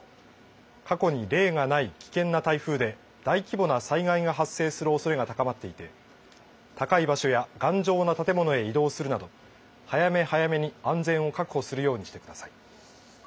過去に例がない危険な台風で大規模な災害が発生するおそれが高まっていて高い場所や頑丈な建物へ移動するなど早め早めに安全を確保するようにしてください。